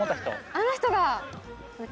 あの人が。